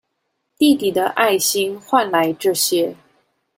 弟弟的愛心換來這些